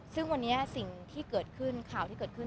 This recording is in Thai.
ซึ่งวันนี้สิ่งที่เกิดขึ้นข่าวที่เกิดขึ้น